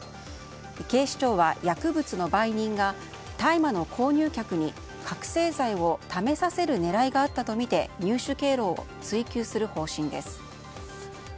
警視庁は、薬物の売人が大麻の購入客に覚醒剤を試させる狙いがあったとみて入手経路を追及する方針です。